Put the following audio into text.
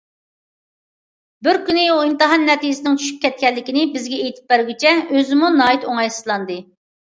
بىر كۈنى ئۇ ئىمتىھان نەتىجىسىنىڭ چۈشۈپ كەتكەنلىكىنى بىزگە ئېيتىپ بەرگۈچە ئۆزىمۇ ناھايىتى ئوڭايسىزلاندى.